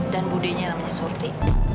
dan budenya yang namanya surti